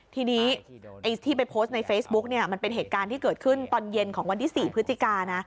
ทีนี้ไอ้ที่ไปโพสต์ในเฟซบุ๊กเนี่ยมันเป็นเหตุการณ์ที่เกิดขึ้นตอนเย็นของวันที่๔พฤศจิกานะ